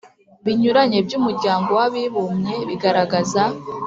binyuranye by'umuryango w'abibumye bigaragaza